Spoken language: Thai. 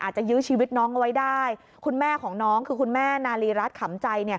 อาจจะยื้อชีวิตน้องไว้ได้